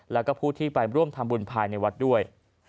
แล้วก็ผู้ที่ไปร่วมทำบุญภายในวัดด้วย